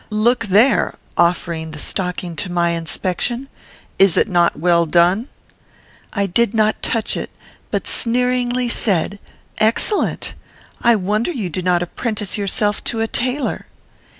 Look there,' (offering the stocking to my inspection:) 'is it not well done?' "I did not touch it, but sneeringly said, 'Excellent! I wonder you do not apprentice yourself to a tailor.'